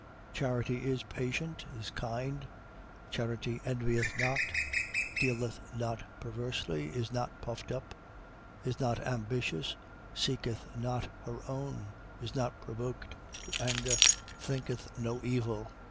13:4. Charity is patient, is kind: charity envieth not, dealeth not perversely, is not puffed up, 13:5. Is not ambitious, seeketh not her own, is not provoked to anger, thinketh no evil: 13:6.